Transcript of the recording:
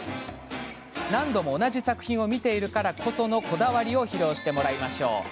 何度も同じ作品を見ているからこそのこだわりを披露してもらいましょう。